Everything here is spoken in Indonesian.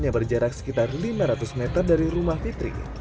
yang berjarak sekitar lima ratus meter dari rumah fitri